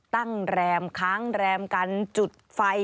ตั้งแรมค้างแรมการจุดไฟ